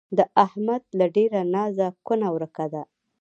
د احمد له ډېره نازه کونه ورکه ده